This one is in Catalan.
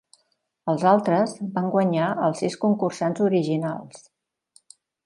Els altres van guanyar als sis concursants originals.